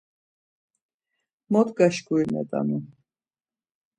Mot gaşkurinet̆anuuu.